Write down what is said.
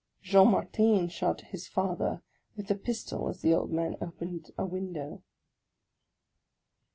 Jean Martin shot his father with a pistol as the old man opened a window.